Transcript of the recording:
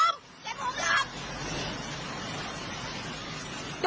คุณผู้หญิงเสื้อสีขาวเจ้าของรถที่ถูกชน